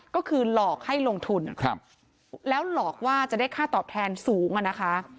ก็คือหลอกให้ลงทุนแล้วหลอกว่าจะได้ค่าตอบแทนสูงอะนะคะ